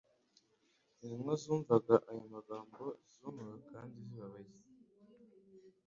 Intumwa zumvaga ayo magambo zumiwe kandi zibabaye.